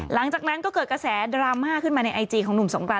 หลังจากนั้นก็เกิดกระแสดราม่าขึ้นมาในไอจีของหนุ่มสงกราน